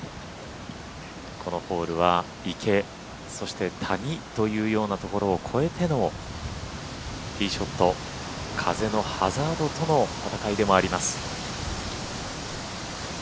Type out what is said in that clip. このホールは池そして谷というようなところを越えてのティーショット風のハザードとの闘いでもあります。